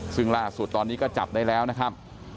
ซึ่งล่าสุดตอนนี้ก็จับได้แล้วนะครับ